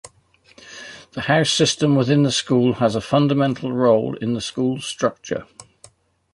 The House System within the school has a fundamental role in the school's structure.